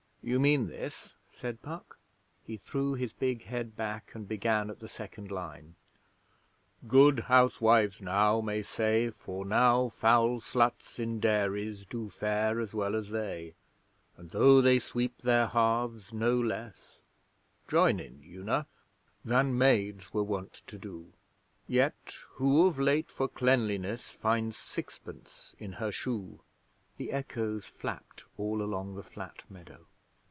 'Do you mean this?' said Puck. He threw his big head back and began at the second line: 'Good housewives now may say, For now foul sluts in dairies Do fare as well as they; And though they sweep their hearths no less ('Join in, Una!') Than maids were wont to do, Yet who of late for cleanliness Finds sixpence in her shoe?' The echoes flapped all along the flat meadow.